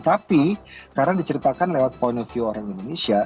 tapi karena diceritakan lewat point of view orang indonesia